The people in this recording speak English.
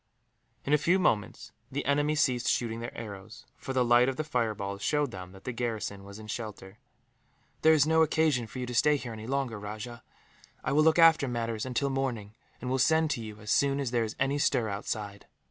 In a few moments the enemy ceased shooting their arrows, for the light of the fireballs showed them that the garrison was in shelter. "There is no occasion for you to stay here, any longer, Rajah. I will look after matters until morning, and will send to you, as soon as there is any stir outside."